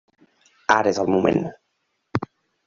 Ara és el moment.